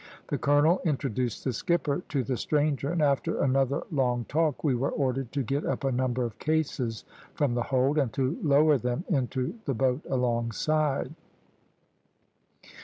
The colonel introduced the skipper to the stranger, and after another long talk we were ordered to get up a number of cases from the hold, and to lower them into the boat alongside.